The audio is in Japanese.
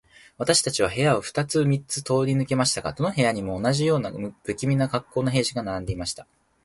私たちは部屋を二つ三つ通り抜けましたが、どの部屋にも、同じような無気味な恰好の兵士が並んでいました。